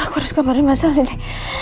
aku harus kabarnya masal ini